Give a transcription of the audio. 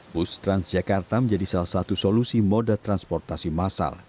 bus transjakarta menjadi salah satu solusi moda transportasi masal